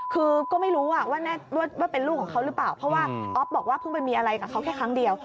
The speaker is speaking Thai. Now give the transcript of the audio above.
คือก็ไม่รู้ว่าเป็นลูกของเขาหรือเปล่าเพราะว่าอ๊อฟบอกว่าเพิ่งไปมีอะไรกับเขาแค่ครั้งเดียว